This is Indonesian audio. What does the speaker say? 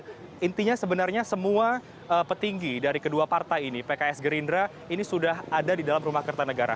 tapi intinya sebenarnya semua petinggi dari kedua partai ini pks gerindra ini sudah ada di dalam rumah kertanegara